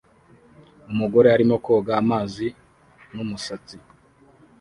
Umugore arimo koga amazi n'umusatsi